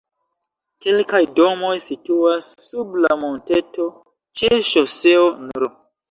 Kelkaj domoj situas sub la monteto ĉe ŝoseo nr.